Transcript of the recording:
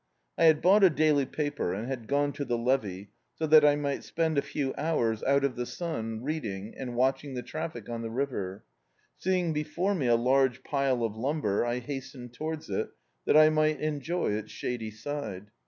I had bought a daily paper, and had gone to the levee, so that I mi^t spend a few hours out of the sun, reading, and watdiing the traffic on the river. Seeing before me a large pile of lumber, I hastened towards it, that I might enjoy its shady side.